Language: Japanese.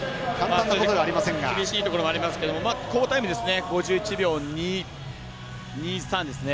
厳しいところもありますけれども好タイムですね。